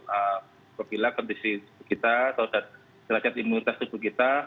apabila kondisi tubuh kita atau jerajat imunitas tubuh kita